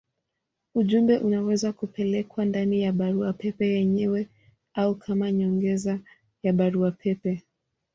Ujumbe unaweza kupelekwa ndani ya barua pepe yenyewe au kama nyongeza ya barua pepe.